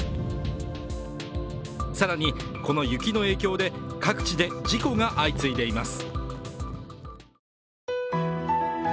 更に、この雪の影響で各地で事故が相次いでいます。